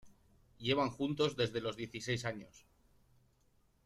Llevan juntos desde los dieciséis años.